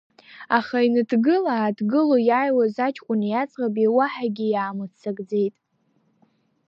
Аха иныҭгыла-ааҭгыло иааиуаз аҷкәыни аӡӷаби уаҳагьы иаамыццакӡеит.